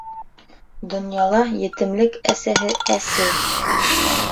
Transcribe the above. Донъяла етемлек әсеһе әсе.